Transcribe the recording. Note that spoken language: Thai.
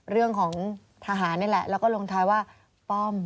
เรื่องของทหารนี่แหละแล้วก็ลงท้ายว่าป้อม